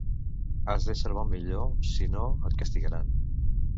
Has d'ésser bon minyó; si no, et castigaran.